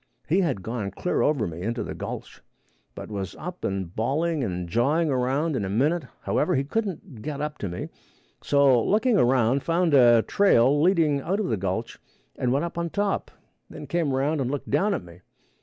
He had gone clear over me into the gulch, but was up and bawling and jawing around in a minute. However, he couldn't get up to me, so looked around, found a trail leading out of the gulch, and went up on top, then come around and looked down at me.